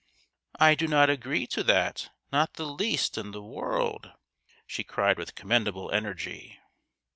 " I do not agree to that not the least in the world," she cried with commendable energy.